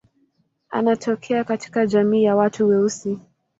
Anatokea katika jamii ya watu weusi.